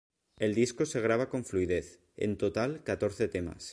El disco se graba con fluidez, en total catorce temas.